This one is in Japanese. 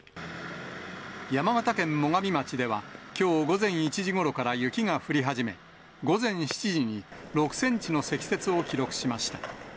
山形県最上町ではきょう午前１時ごろから雪が降り始め、午前７時に６センチの積雪を記録しました。